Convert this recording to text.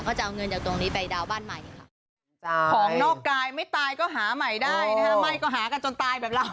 ก็จะเอาเงินจากตรงนี้ไปดาวน์บ้านใหม่ค่ะ